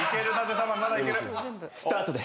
スタートです。